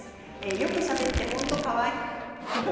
よくしゃべって本当にかわいい。